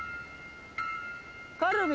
カルビ。